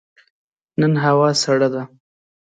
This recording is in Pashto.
نن هوا سړه ده.